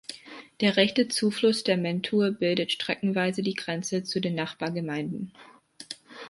Der rechte Zufluss der Mentue bildet streckenweise die Grenze zu den Nachbargemeinden.